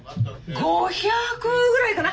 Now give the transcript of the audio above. ５００ぐらいかな？